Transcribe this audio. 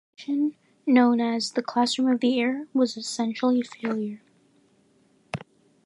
However the station, known as "the Classroom of the Air", was essentially a failure.